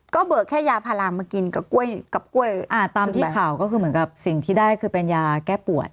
ก็เบิกแค่ยาพารามากินกับกล้วยตามที่ข่าวก็คือเหมือนกับสิ่งที่ได้คือเป็นยาแก้ปวด